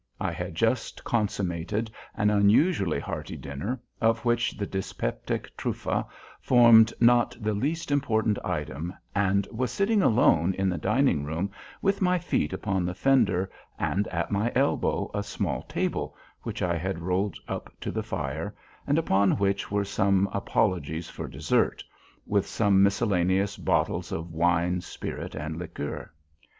I had just consummated an unusually hearty dinner, of which the dyspeptic truffe formed not the least important item, and was sitting alone in the dining room with my feet upon the fender and at my elbow a small table which I had rolled up to the fire, and upon which were some apologies for dessert, with some miscellaneous bottles of wine, spirit, and liqueur.